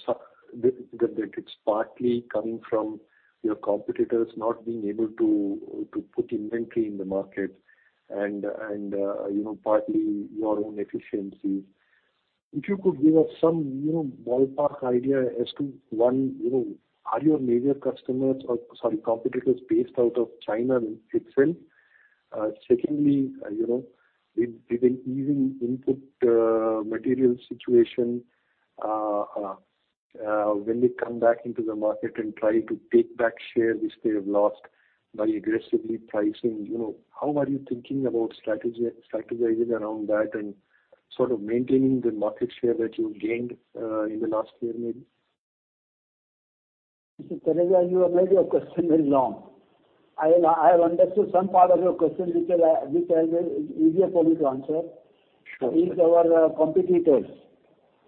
that it's partly coming from your competitors not being able to put inventory in the market and, you know, partly your own efficiencies. If you could give us some, you know, ballpark idea as to one, you know, are your major customers or, sorry, competitors based out of China itself? Secondly, you know, if they can even input material situation when they come back into the market and try to take back share which they have lost by aggressively pricing, you know, how are you thinking about strategizing around that and sort of maintaining the market share that you've gained in the last year maybe? Mr. Thareja, you have made your question very long. I have understood some part of your question, which I will, is easier for me to answer. Sure. Is our competitors.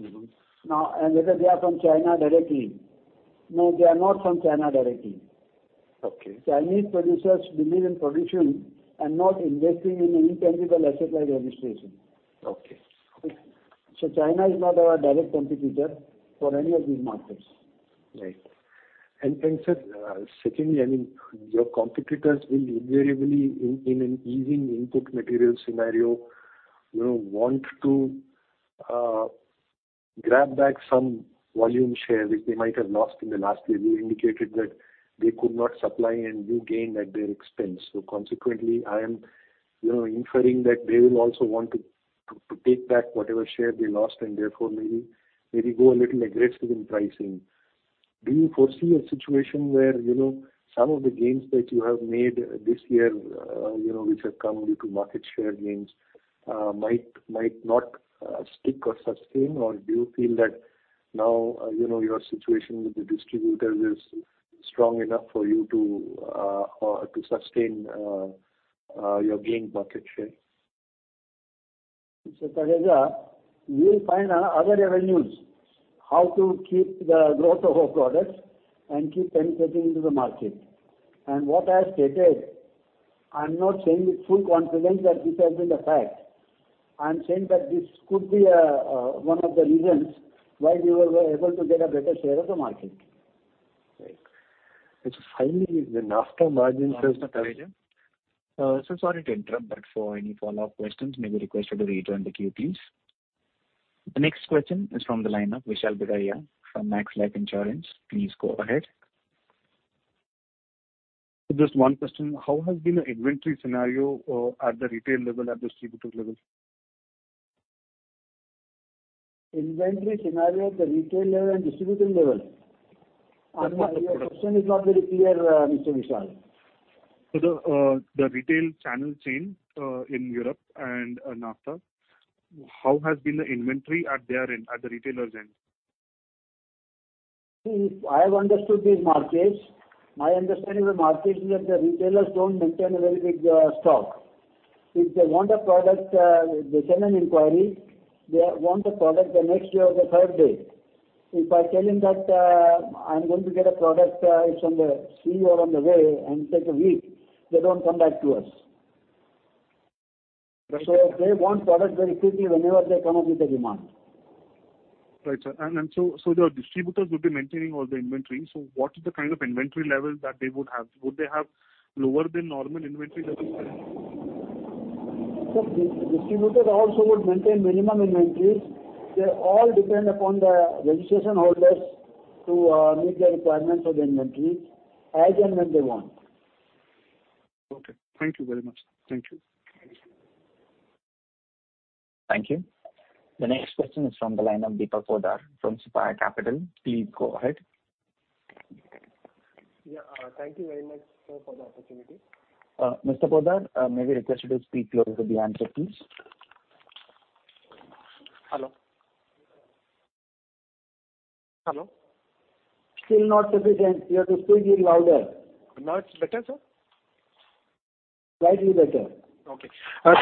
Mm-hmm. Now, whether they are from China directly. No, they are not from China directly. Okay. Chinese producers believe in production and not investing in any tangible asset like registration. Okay. China is not our direct competitor for any of these markets. Right. Sir, secondly, I mean, your competitors will invariably in an easing input material scenario, you know, want to grab back some volume share which they might have lost in the last year. You indicated that they could not supply and you gained at their expense. Consequently, I am, you know, inferring that they will also want to take back whatever share they lost and therefore maybe go a little aggressive in pricing. Do you foresee a situation where, you know, some of the gains that you have made this year, you know, which have come due to market share gains, might not stick or sustain? Or do you feel that now, you know, your situation with the distributors is strong enough for you to sustain your gained market share? Mr. Thareja, we will find out other revenues, how to keep the growth of our products and keep penetrating into the market. What I stated, I'm not saying with full confidence that this has been the fact. I'm saying that this could be one of the reasons why we were able to get a better share of the market. Right. Finally, after margin. Mr. Thareja, so sorry to interrupt, but for any follow-up questions may we request you to return the queue, please. The next question is from the line of Vishal Biraia from Max Life Insurance. Please go ahead. Just one question. How has been the inventory scenario, at the retail level, at distributor level? Inventory scenario at the retail level and distributor level. Your question is not very clear, Mr. Vishal. The retail channel chain in Europe and NAFTA, how has been the inventory at their end, at the retailer's end? If I have understood these markets, my understanding of the markets is that the retailers don't maintain a very big stock. If they want a product, they send an inquiry. They want the product the next day or the third day. If I tell him that I'm going to get a product, it's on the sea or on the way and take a week, they don't come back to us. They want product very quickly whenever they come up with a demand. Right, sir. The distributors would be maintaining all the inventory. What is the kind of inventory level that they would have? Would they have lower than normal inventory levels then? Sir, the distributors also would maintain minimum inventories. They all depend upon the registration holders to meet their requirements for the inventories as and when they want. Okay. Thank you very much. Thank you. Thank you. The next question is from the line of Deepak Poddar from Sapphire Capital. Please go ahead. Yeah. Thank you very much, sir, for the opportunity. Mr. Poddar, may we request you to speak closer to the answer, please. Hello? Hello? Still not sufficient. You have to speak a little louder. Now it's better, sir? Slightly better. Okay.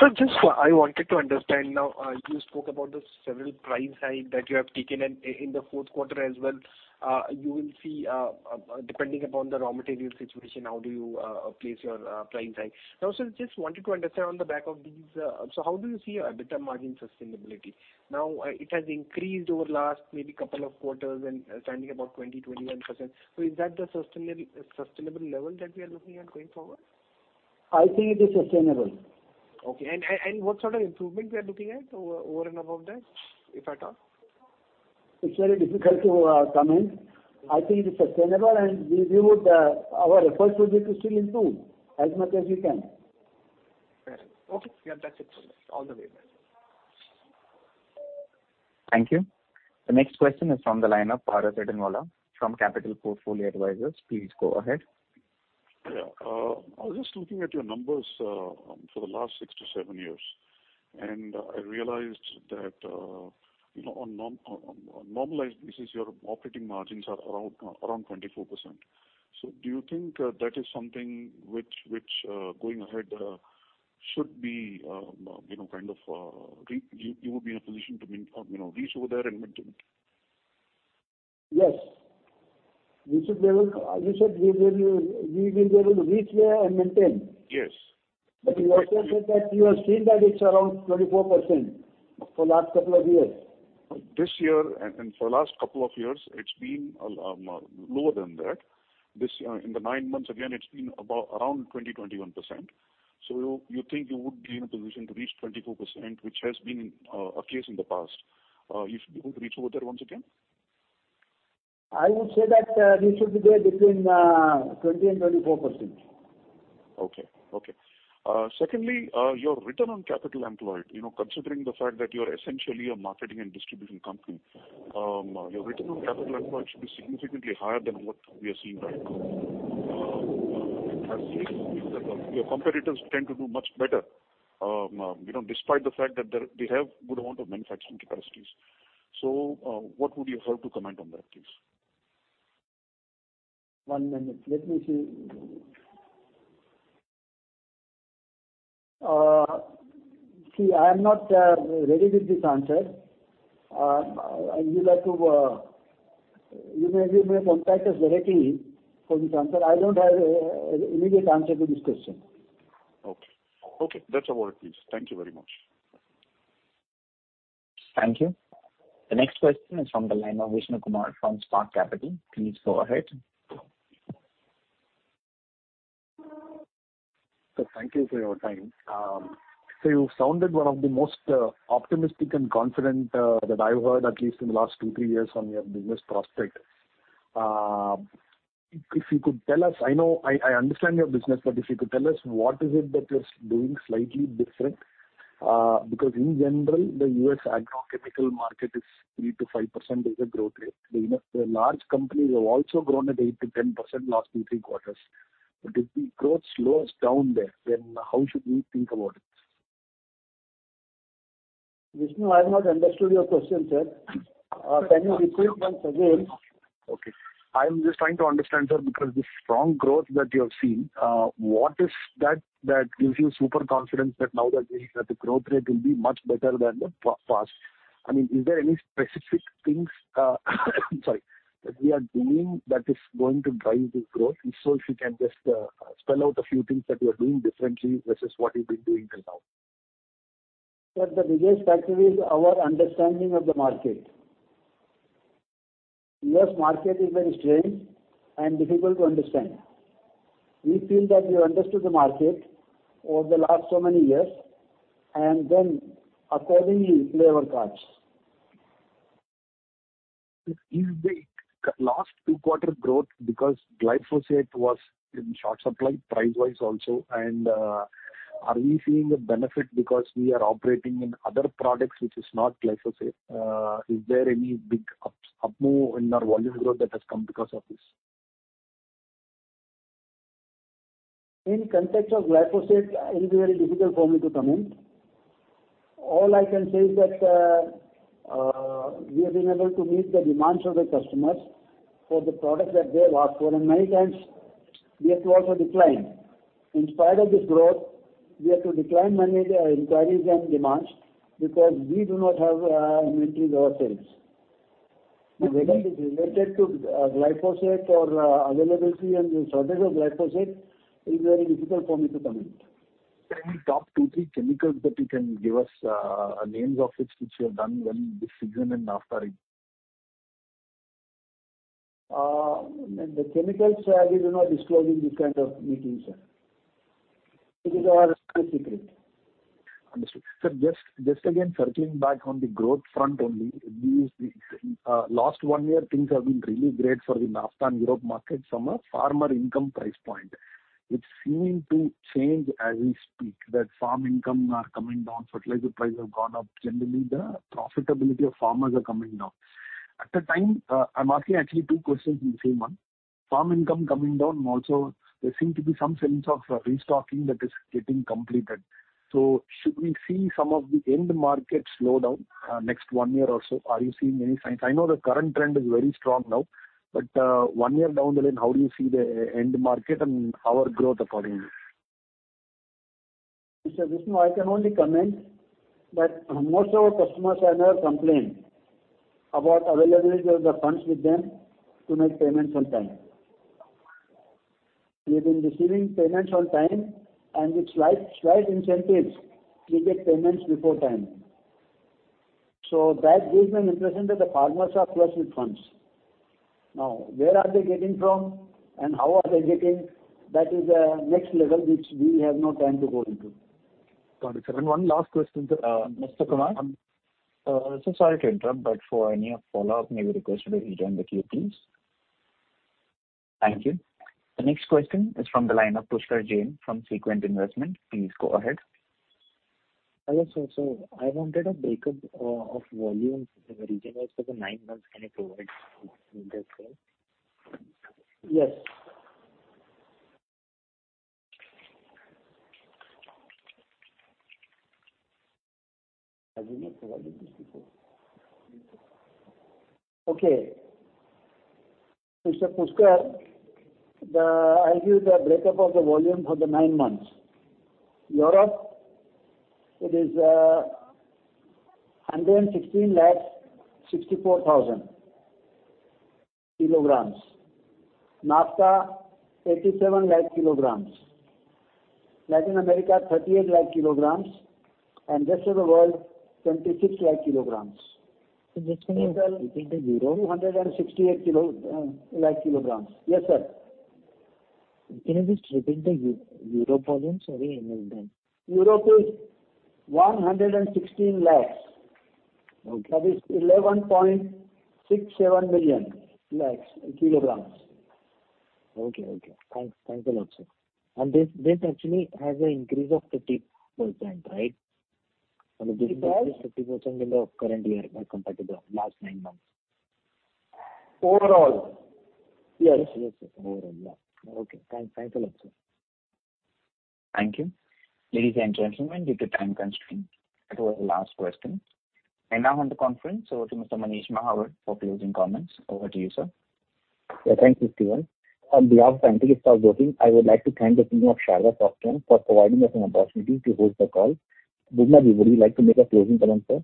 Sir, just I wanted to understand now, you spoke about the several price hike that you have taken and in the fourth quarter as well. You will see, depending upon the raw material situation, how do you place your price hike. Now, sir, just wanted to understand on the back of these. How do you see a better margin sustainability? Now, it has increased over last maybe couple of quarters and standing about 20-21%. Is that the sustainable level that we are looking at going forward? I think it is sustainable. What sort of improvement we are looking at over and above that, if at all? It's very difficult to comment. I think it is sustainable, and our effort would be to still improve as much as we can. Fair. Okay. Yeah, that's it for me. All the very best. Thank you. The next question is from the line of Paras Adenwala from Capital Portfolio Advisors. Please go ahead. Yeah. I was just looking at your numbers for the last six to seven years, and I realized that, you know, on normalized basis, your operating margins are around 24%. So do you think that is something which, going ahead, should be, you know, kind of, you would be in a position to, you know, reach over there and maintain it? Yes. We should be able. You said we will be able to reach there and maintain? Yes. you also said that you have seen that it's around 24% for last couple of years. This year and for the last couple of years, it's been lower than that. In the nine months again, it's been about around 21%. You think you would be in a position to reach 24%, which has been a case in the past? You should be able to reach over there once again? I would say that, we should be there between 20% and 24%. Okay. Secondly, your return on capital employed, you know, considering the fact that you're essentially a marketing and distribution company, your return on capital employed should be significantly higher than what we are seeing right now. It has been that your competitors tend to do much better, you know, despite the fact that they have good amount of manufacturing capacities. What would you have to comment on that, please? One minute. Let me see. I am not ready with this answer. I'd really like to. You may contact us directly for the answer. I don't have immediate answer to this question. Okay. That's all right, please. Thank you very much. Thank you. The next question is from the line of Vishnu Kumar from Spark Capital. Please go ahead. Sir, thank you for your time. So you sounded one of the most optimistic and confident that I've heard at least in the last two to three years on your business prospects. If you could tell us, I know I understand your business, but if you could tell us what is it that you're doing slightly different? Because in general, the U.S. agrochemical market is 3%-5% is the growth rate. The large companies have also grown at 8%-10% last two and three quarters. If the growth slows down there, then how should we think about it? Vishnu, I have not understood your question, sir. Can you repeat once again? Okay. I'm just trying to understand, sir, because the strong growth that you have seen, what is that that gives you super confidence that now that the growth rate will be much better than the past? I mean, is there any specific things, sorry, that we are doing that is going to drive this growth? If so, if you can just spell out a few things that you are doing differently versus what you've been doing till now. Sir, the biggest factor is our understanding of the market. U.S. market is very strange and difficult to understand. We feel that we understood the market over the last so many years, and then accordingly play our cards. Is the last two quarter growth because glyphosate was in short supply price-wise also, and are we seeing a benefit because we are operating in other products which is not glyphosate? Is there any big up move in our volume growth that has come because of this? In context of glyphosate, it'll be very difficult for me to comment. All I can say is that we have been able to meet the demands of the customers for the products that they have asked for. Many times we have to also decline. In spite of this growth, we have to decline many inquiries and demands because we do not have inventories ourselves. Whether it is related to glyphosate or availability and the shortage of glyphosate, it's very difficult for me to comment. Any top two, three chemicals that you can give us, names of which you have done well this season in NAFTA region? The chemicals, we do not disclose in these kind of meetings, sir. It is our trade secret. Understood. Sir, just again circling back on the growth front only. This week, last one year things have been really great for the NAFTA and Europe markets from a farmer income price point. It's seeming to change as we speak, that farm income are coming down, fertilizer prices have gone up. Generally, the profitability of farmers are coming down. At the time, I'm asking actually two questions in the same one. Farm income coming down, also there seem to be some sense of restocking that is getting completed. Should we see some of the end market slow down, next one year or so? Are you seeing any signs? I know the current trend is very strong now, but, one year down the line, how do you see the end market and our growth accordingly? Mr. Vishnu Kumar, I can only comment that most of our customers have never complained about availability of the funds with them to make payments on time. We've been receiving payments on time and with slight incentives, we get payments before time. That gives me an impression that the farmers are flush with funds. Now, where are they getting from and how are they getting, that is a next level which we have no time to go into. Got it. One last question, sir. Mr. Vishnu Kumar, so sorry to interrupt, but for any follow-up may we request that you join the queue, please. Thank you. The next question is from the line of Pushkar Jain from Sequent Investment. Please go ahead. Hello, sir. I wanted a breakdown of volumes region-wise for the nine months. Can you provide in detail? Yes. Okay. Mr. Pushkar, I give the breakup of the volume for the nine months. Europe it is 116 lakh 64,000 kg. NAFTA, 87 lakh kg. Latin America, 38 lakh kg. Rest of the world, INR 26 lakh kg. Just to repeat the Europe. INR 268 lakh kg. Yes, sir. Can you just repeat the Europe volumes? Sorry, I missed that. Europe is 116 lakhs. Okay. That is 11.67 million lakhs kg. Okay. Thanks a lot, sir. This actually has an increase of 30%, right? It has- This is 30% in the current year as compared to the last nine months. Overall, yes. Yes, yes, sir. Overall. Okay. Thanks. Thanks a lot, sir. Thank you. Ladies and gentlemen, due to time constraint, that was the last question. Now on the conference over to Mr. Manish Mahawar for closing comments. Over to you, sir. Yeah. Thanks, Steven. On behalf of Antique Stockbroking, I would like to thank the team of Sharda Cropchem for providing us an opportunity to host the call. Vishnu, would you like to make a closing comment, sir?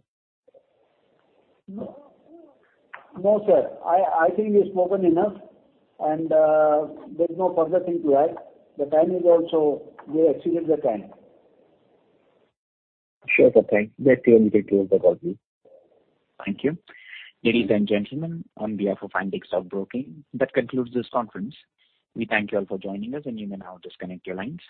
No, sir. I think we've spoken enough and, there's no further thing to add. The time is also. We have exceeded the time. Sure, sir. Thank you. With that, we will conclude the call here. Thank you. Ladies and gentlemen, on behalf of Antique Stockbroking, that concludes this conference. We thank you all for joining us, and you may now disconnect your lines.